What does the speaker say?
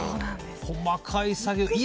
細かい作業。